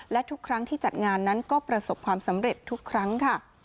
และทุกครั้งที่จัดงานนั้นก็ประสบความสำเร็จทุกครั้งค่ะ